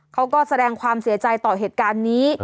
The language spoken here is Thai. เขาก็แสดงความเสียใจต่อเหตุการณ์นี้